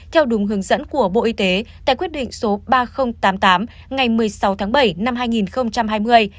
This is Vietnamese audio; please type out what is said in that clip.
theo đúng hướng dẫn của bộ y tế tại quyết định số ba nghìn tám mươi tám ngày một mươi sáu tháng bảy năm hai nghìn hai mươi